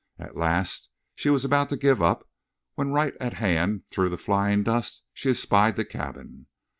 At last she was about to give up when right at hand through the flying dust she espied the cabin.